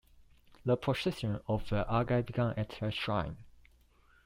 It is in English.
The procession of the Argei began at her shrine.